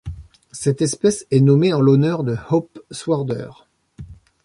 Cette espèce est nommée en l'honneur de Hope Sworder.